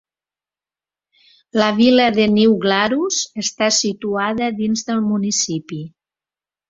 La vila de New Glarus està situada dins del municipi.